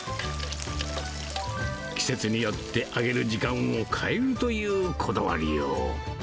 季節によって、揚げる時間を変えるというこだわりよう。